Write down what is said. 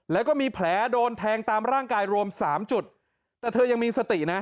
แล้วก็มีแผลโดนแทงตามร่างกายรวมสามจุดแต่เธอยังมีสตินะ